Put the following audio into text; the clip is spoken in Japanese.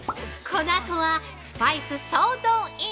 ◆このあとはスパイス総動員！